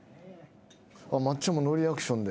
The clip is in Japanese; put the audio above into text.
松ちゃんもノーリアクションで。